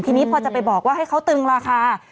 ทีนี้พอจะไปบอกว่าให้เขาตึงราคา